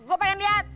gue pengen lihat